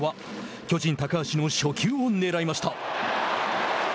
巨人高橋の初球を狙いました。